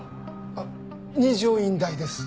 あっ二条院大です。